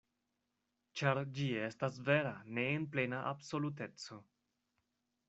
Ĉar ĝi estas vera ne en plena absoluteco.